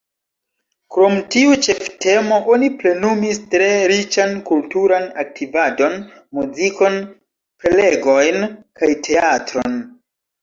Krom tiu ĉeftemo, oni plenumis tre riĉan kulturan aktivadon: muzikon, prelegojn kaj teatron.